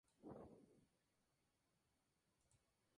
Este emplazamiento permanece poco estudiado.